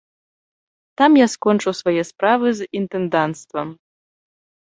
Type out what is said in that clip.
Там я скончу свае справы з інтэнданцтвам.